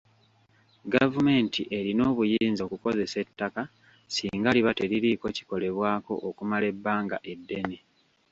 Gavumenti erina obuyinza okukozesa ettaka singa liba teririiko kikolebwako okumala ebbanga eddene.